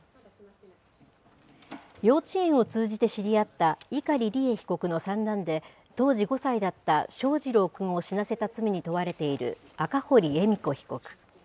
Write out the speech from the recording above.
幼稚園を通じて知り合った碇利恵被告の三男で当時５歳だった翔士郎くんを死なせた罪に問われている赤堀恵美子被告。